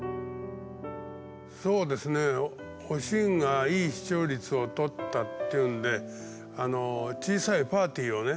そうですね「おしん」がいい視聴率を取ったっていうんで小さいパーティーをね